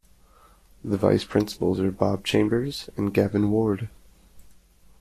The vice principals are Bob Chambers and Gavin Ward.